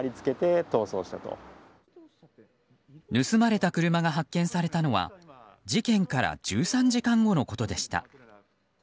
盗まれた車が発見されたのは事件から１３時間後のことでした。